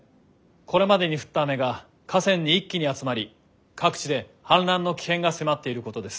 これまでに降った雨が河川に一気に集まり各地で氾濫の危険が迫っていることです。